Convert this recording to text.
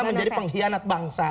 menjadi pengkhianat bangsa